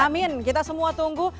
amin kita semua tunggu